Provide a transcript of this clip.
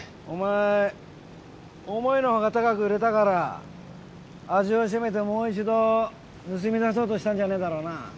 お前思いの外高く売れたから味を占めてもう一度盗み出そうとしたんじゃねえだろうな？